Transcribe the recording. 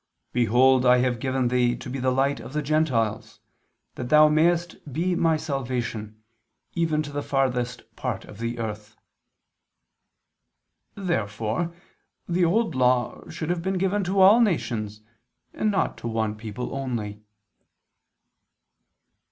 Behold I have given thee to be the light of the Gentiles, that thou mayest be My salvation, even to the farthest part of the earth." Therefore the Old Law should have been given to all nations, and not to one people only.